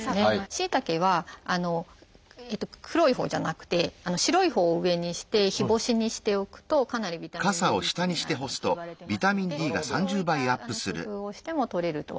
しいたけは黒いほうじゃなくて白いほうを上にして日干しにしておくとかなりビタミンＤリッチになるなんていわれてますのでそういった工夫をしてもとれるとは思います。